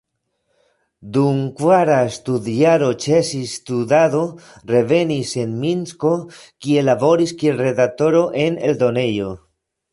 Dum kvara studjaro ĉesis studado, revenis en Minsko, kie laboris kiel redaktoro en eldonejo.